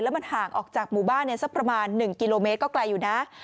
มันห่างออกจากหมู่บ้านสักประมาณ๑กิโลเมตรก็ไกลอยู่นะ